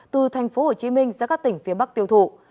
từ tp hcm ra các tỉnh phía bắc tiêu thụ